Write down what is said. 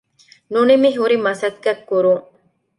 ނުނިމިހުރި މަސައްކަތްކުރުން